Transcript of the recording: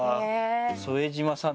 副島さん